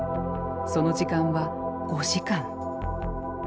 その時間は５時間。